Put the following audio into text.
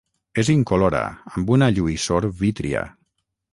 És incolora, amb una lluïssor vítria.